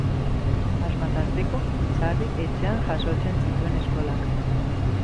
Asma tarteko, sarri etxean jasotzen zituen eskolak.